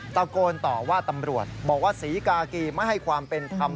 ตะโกนต่อว่าตำรวจบอกว่าศรีกากีไม่ให้ความเป็นธรรม